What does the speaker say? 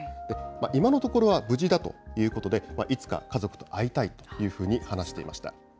今のところは無事だということで、いつか家族と会いたいというふうに話していました。